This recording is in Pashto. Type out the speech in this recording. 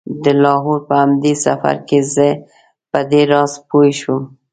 د لاهور په همدې سفر کې زه په دې راز پوی شوم.